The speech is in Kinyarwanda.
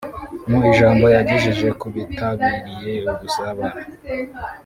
Mu ijambo yagejeje ku bitabiriye ubusabane